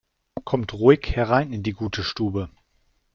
Kommt ruhig herein in die gute Stube!